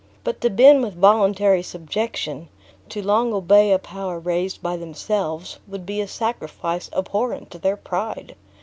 But to bend with voluntary subjection, to long obey a power raised by themselves, would be a sacrifice abhorrent to their pride.